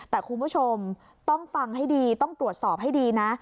แต่คุณผู้ชมต้องฟังให้ดีต้องตรวจสอบให้ดีนะ